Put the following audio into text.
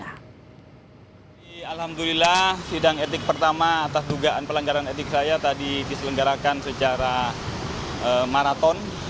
alhamdulillah sidang etik pertama atas dugaan pelanggaran etik saya tadi diselenggarakan secara maraton